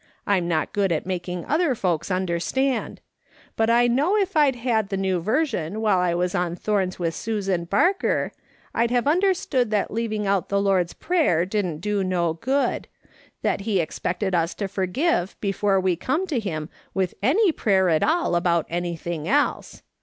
I'm not good at making other folks understand ; but I know if I'd had the New Version while I was on thorns with Susan Barker, I'd have understood that leaving out the Lord's Prayer didn't do no good ; that he ex pected us to forgive before we come to him with any prayer at all about anything else.